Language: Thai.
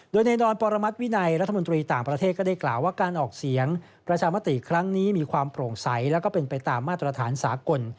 โดยแน่นอนปรมัติวินัยรัฐมนตรีต่างประเทศก็ได้กล่าวว่าการออกเสียงประชามติครั้งนี้มีความโปร่งใสแล้วก็เป็นไปตามมาตรฐานสากล